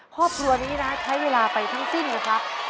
ครอบครัวนี้นะใช้เวลาไปทั้งสิ้นนะครับ